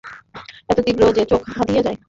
এত তীব্র যে চোখ ধাঁধিয়ে যায়।